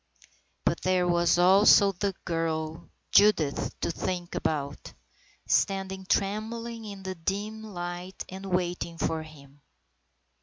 But there was also the girl Judith to think about, standing trembling in the dim light and waiting for him.